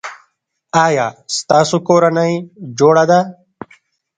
ایا ستاسو کورنۍ جوړه ده؟